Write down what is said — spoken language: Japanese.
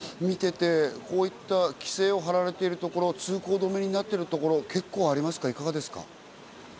さらに小野さんが街を見ていて、こういった規制を張られているところ、通行止めになっているところ結構ありますか？